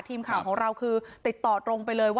ทีมข่าวของเราคือติดต่อตรงไปเลยว่า